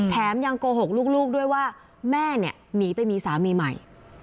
ยังโกหกลูกด้วยว่าแม่เนี่ยหนีไปมีสามีใหม่